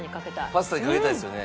パスタにかけたいですよね。